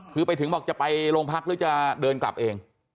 คือไปถึงบอกจะไปโรงพักหรือจะเดินกลับเอง